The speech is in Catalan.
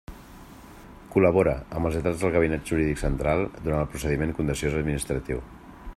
Col·labora amb els lletrats del Gabinet Jurídic Central durant el procediment contenciós administratiu.